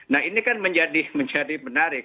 nah ini kan menjadi menarik